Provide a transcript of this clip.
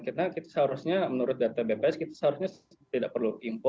karena kita seharusnya menurut data bpas kita seharusnya tidak perlu impor